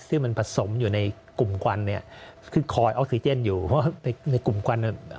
ซึ่งมันผสมอยู่ในกลุ่มควันเนี้ยคือคอยออกซิเจนอยู่เพราะว่าในในกลุ่มควันเนี่ย